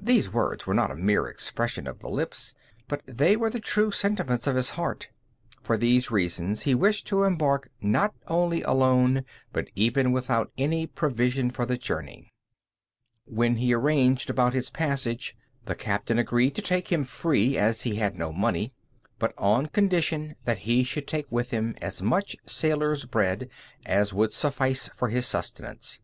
These words were not a mere expression of the lips, but they were the true sentiments of his heart. For these reasons he wished to embark not only alone, but even without any provision for the voyage. When he arranged about his passage, the captain agreed to take him free, as he had no money; but on condition that he should take with him as much sailors' bread as would suffice for his sustenance.